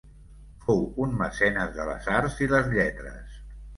Fou un mecenes de les arts i les lletres.